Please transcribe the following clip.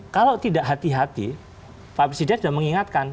kalau tidak hati hati pak presiden sudah mengingatkan